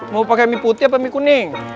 mau pakai mie putih apa mie kuning